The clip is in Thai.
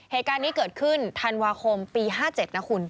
เหตุการณ์นี้เกิดขึ้นธันวาคมปี๕๗นะคุณ